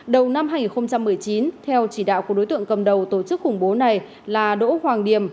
đầu năm hai nghìn một mươi chín theo chỉ đạo của đối tượng cầm đầu tổ chức khủng bố này là đỗ hoàng điểm